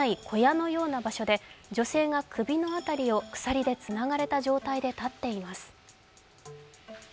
扉のない小屋のような場所で女性が首の辺りを鎖でつながれた状態で立っています。